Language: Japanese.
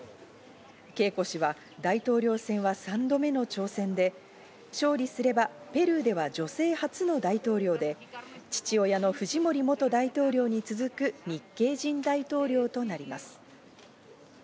ケイコ氏は大統領選は３度目の挑戦で、勝利すればペルーでは女性初の大統領で、父親のフジモリ元大統領に続く日系人大統領となります。